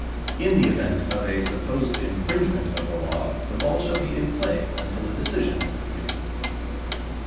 In the event of a supposed infringement of the laws the ball shall be in play until a decision has been given.